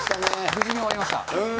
無事に終わりました。